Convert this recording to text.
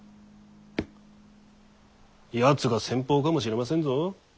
やつが先鋒かもしれませんぞ。